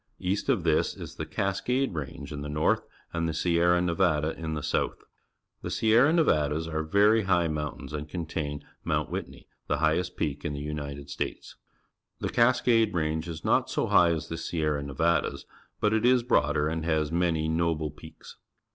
East of this is the Cascade Range in the north and the Sierra Nevada in the south. The Sierra Neva das are very high mountains and contain Mount Whitney, the hi ghest peak in the United States. The Cascade Range is not so high as the Sierra Nevadas, but it is broader and has many noble peaks.